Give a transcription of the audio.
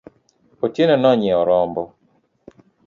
Otieno nonyiewo rombo